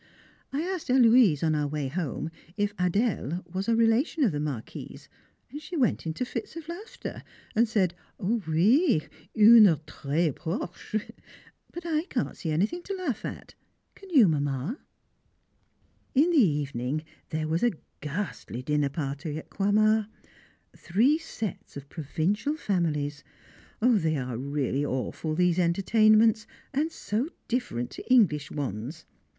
I asked Héloise on our way home if "Adèle" was a relation of the Marquis's, and she went into fits of laughter and said, "Oui, une très proche," but I can't see anything to laugh at, can you, Mamma? [Sidenote: A Country Dinner Party] In the evening there was a ghastly dinner party at Croixmare. Three sets of provincial families. They are really awful these entertainments, and so different to English ones!